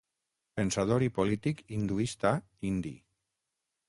Pensador i polític hinduista indi.